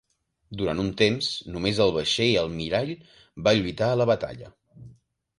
Durant un temps només el vaixell almirall va lluitar a la batalla.